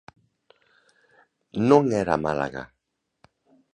Non era Málaga.